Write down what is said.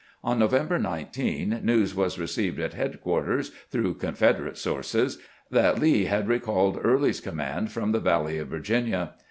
On November 19 news was received at headquarters, through Confederate sources, that Lee had recalled Early's com mand from the valley of Virginia.